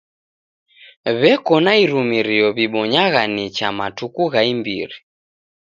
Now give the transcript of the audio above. W'eko na irumirio w'ibonyagha nicha matuku gha imbiri.